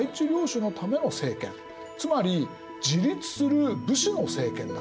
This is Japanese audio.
つまり自立する武士の政権だった。